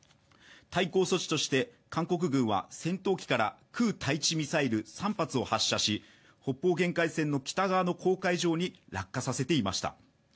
対抗措置として韓国軍は戦闘機から空対地ミサイル３発を発射し北方限界線の北側の公海上に落下させていました。